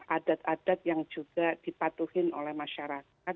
adat adat yang juga dipatuhi oleh masyarakat